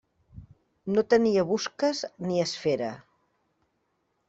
No tenia busques ni esfera.